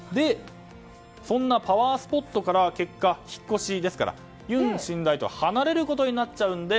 そんなパワースポットから結果、引っ越しですから尹新大統領は離れることになってしまうので。